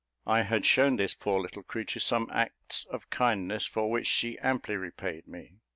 I had shewn this poor little creature some acts of kindness, for which she amply repaid me.